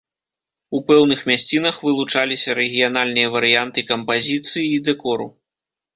У пэўных мясцінах вылучыліся рэгіянальныя варыянты кампазіцыі і дэкору.